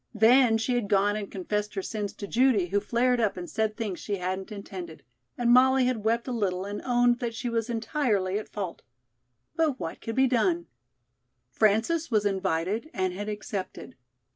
Then she had gone and confessed her sins to Judy, who flared up and said things she hadn't intended, and Molly had wept a little and owned that she was entirely at fault. But what could be done? Frances was invited and had accepted.